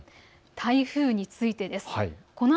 台風についてです。